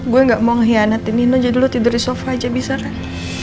gue gak mau mengkhianatin nino jadi lo tidur di sofa aja bisa kan